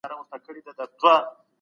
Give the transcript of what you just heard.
جهاد د باطل په وړاندي د توري جنګ دی.